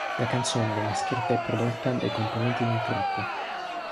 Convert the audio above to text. La canzone venne scritta e prodotta dai componenti del gruppo.